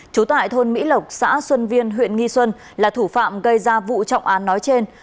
trú tại thôn mỹ lộc xã xuân viên huyện nghi xuân là thủ phạm gây ra vụ trọng án nói trên